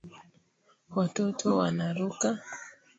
Watoto wanaruka